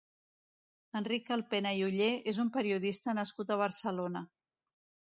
Enric Calpena i Ollé és un periodista nascut a Barcelona.